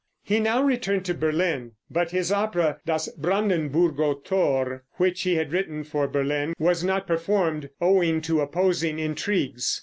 ] He now returned to Berlin, but his opera, "Das Brandenburger Thor," which he had written for Berlin, was not performed, owing to opposing intrigues.